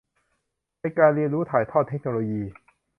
ในการเรียนรู้ถ่ายทอดเทคโนโลยี